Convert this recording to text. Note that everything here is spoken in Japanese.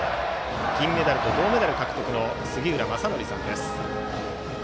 金メダルと銅メダル獲得の杉浦正則さんです。